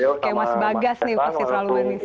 beliau sama mas bagas nih pasti terlalu manis